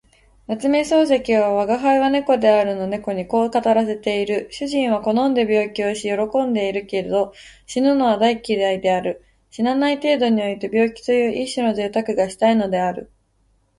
夏目漱石は吾輩は猫であるの猫にこう語らせている。主人は好んで病気をし喜んでいるけど、死ぬのは大嫌いである。死なない程度において病気という一種の贅沢がしたいのである。